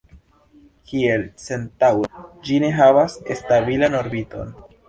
Kiel Centaŭro, ĝi ne havas stabilan orbiton.